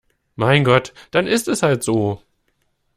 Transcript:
Mein Gott, dann ist es halt so!